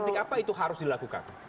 titik apa itu harus dilakukan